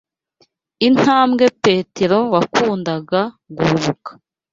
intambwe Petero wakundaga guhubuka